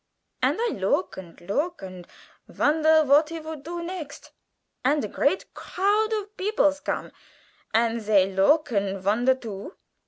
And I look and look and vonder vat he would do next. And a great growd of beoples com, and zey look and vonder too.